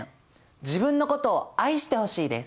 自分のことを愛してほしいです。